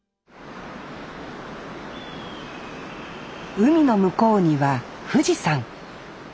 海の向こうには富士山。